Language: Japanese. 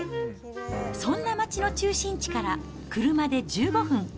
そんな街の中心地から車で１５分。